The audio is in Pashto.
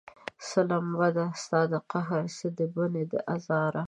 څه لمبه ده ستا د قهر، څه د بني د ازاره